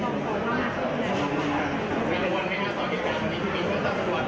ยังไม่มีฝ่ายกล้องในมือครับแต่ว่าก็บอกว่ายังไม่มีฝ่ายกล้อง